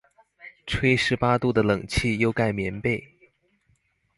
吹十八度的冷氣又蓋棉被